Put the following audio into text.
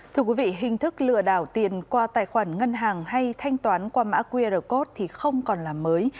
thưa quý vị hình thức lừa đảo tiền qua tài khoản ngân hàng hay thanh toán qua mã qr code thì không còn là mới